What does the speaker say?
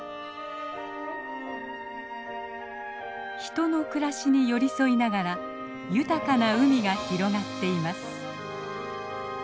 人の暮らしに寄り添いながら豊かな海が広がっています。